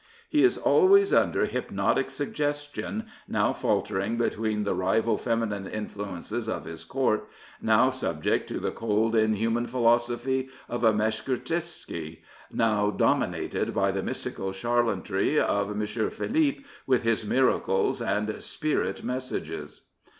He is always 263 Prophets, Priests, and Kings under hypnotic suggestion, now faltering between the rival feminine influences of his Court, now subject to the cold, inhuman philosophy of a Meshkershtsky, now dominated by the mystical charlatanry of M, Philippe, with his miracles and spirit messages.